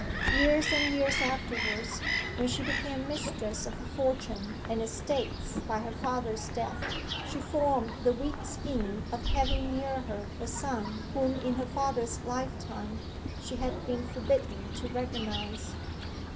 'Years and years afterwards, when she became mistress of a fortune and estates by her father's death, she formed the weak scheme of having near her the son whom, in her father's life time, she had been forbidden to recognize.